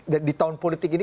di tahun politik ini